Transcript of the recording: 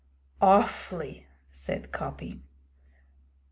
'Awfully!' said Coppy.